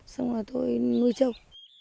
xong rồi tôi nuôi châu